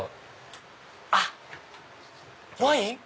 あっワイン？